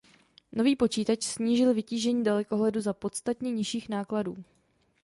Nový počítač snížil vytížení dalekohledu za podstatně nižších nákladů.